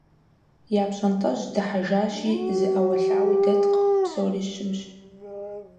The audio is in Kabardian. Я пщӀантӀэжь дыхьэжащи зы Ӏэуэлъауи дэткъым, псори щымщ.